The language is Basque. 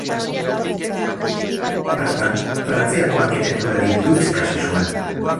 Bertan, Frantziako arkitekturari buruz ikasi zuen.